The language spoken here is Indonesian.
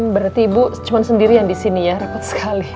berarti ibu cuma sendiri yang di sini ya rapat sekali